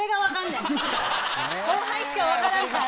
後輩しか分からんから。